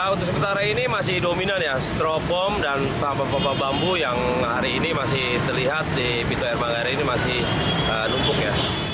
untuk sementara ini masih dominan ya stropom dan sampah pompa bambu yang hari ini masih terlihat di pintu air manggarai ini masih numpuk ya